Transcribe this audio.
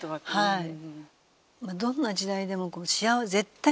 はい。